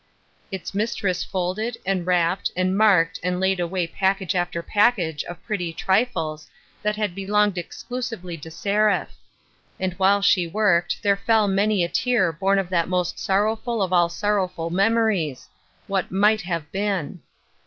Its mistress folded, and wrapped, and marked and laid away package after package of pretty trifles that had belonged exclusively to Seraph ; and while she worked there fell many a tear born of that most sorrowful of all sorrowful memories — what "might have been."